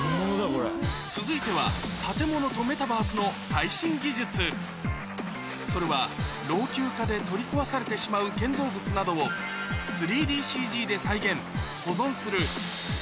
続いては建物とメタバースの最新技術それは老朽化で取り壊されてしまう建造物などをというもの